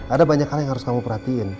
ada banyak hal yang harus kamu perhatiin